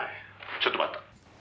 「ちょっと待った」